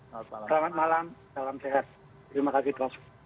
selamat malam selamat malam selamat sehat terima kasih prof